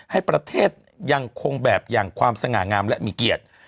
ให้ประเทศยังคงแบบอย่างความสง่างามและมีเกียรติ